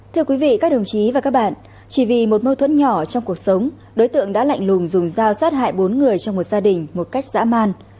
thưa quý vị các đồng chí và các bạn chỉ vì một mâu thuẫn nhỏ trong cuộc sống đối tượng đã lạnh lùm dùng dao sát hại bốn người trong một gia đình một cách dã man